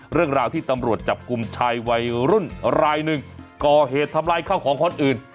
เรื่องราวที่ตำรวจจับกลุ่มชายวัยรุ่นรายหนึ่งก่อเหตุทำลายข้าวของคนอื่น